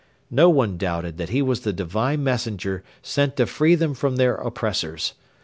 No one doubted that he was the divine messenger sent to free them from their oppressors.